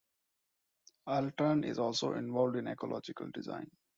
Altran is also involved in Ecological Design.